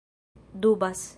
dubas